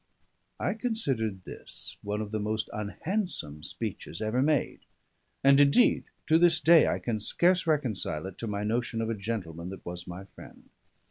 I considered this one of the most unhandsome speeches ever made; and indeed to this day I can scarce reconcile it to my notion of a gentleman that was my friend.